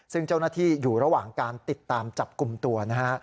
ซึ่งเจ้าหน้าที่อยู่ระหว่างการติดตามจับกลุ่มตัวนะฮะ